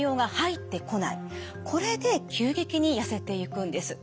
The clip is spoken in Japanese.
これで急激にやせていくんです。